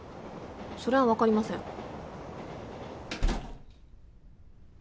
それは分かりません。